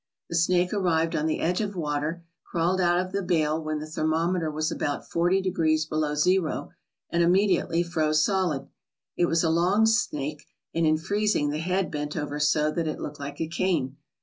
The snake arrived on the edge of winter, crawled out of the bale when the thermometer was about forty degrees below zero and immediately froze solid. It was a long snake and in freezing the head bent over so that it looked like a cane.